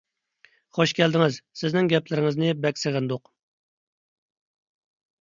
خۇش كەلدىڭىز! سىزنىڭ گەپلىرىڭىزنى بەك سېغىندۇق!